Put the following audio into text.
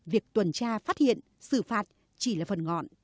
việc tuần tra phát hiện xử phạt chỉ là phần ngọn